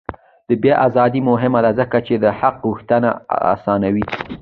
د بیان ازادي مهمه ده ځکه چې د حق غوښتنه اسانوي.